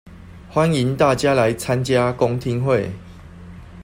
歡迎大家來參加公聽會